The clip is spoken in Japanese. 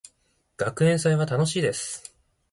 学園祭は楽しいです。